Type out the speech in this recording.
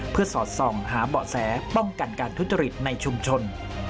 เพื่อสอดส่องหาเบาะแสป้องกันการทุจริตในชุมชน